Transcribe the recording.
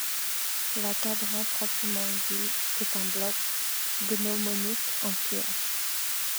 La cadran proprement dit est un bloc gnomonique en pierre.